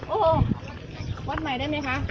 โอ้โหวัดใหม่ได้ไหมคะ